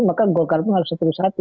maka golkar pun harus seterus hati